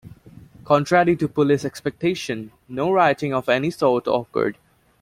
Contrary to police expectations, no rioting of any sort occurred.